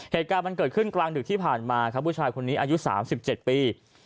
เหตุการณ์มันเกิดขึ้นกลางดึกที่ผ่านมาครับผู้ชายคนนี้อายุ๓๗ปี